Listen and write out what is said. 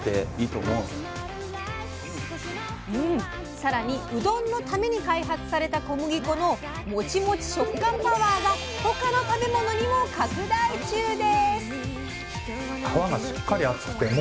更にうどんのために開発された小麦粉のモチモチ食感パワーが他の食べ物にも拡大中です！